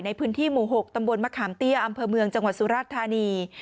ในพื้นที่หมู่๖ตำบลมะขามเตี้ยอำเภอเมืองจังหวัดสุราชธานี